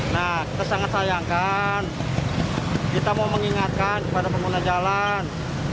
nah kita sangat sayangkan kita mau mengingatkan kepada pengguna jalan